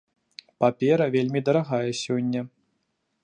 Папера вельмі дарагая сёння.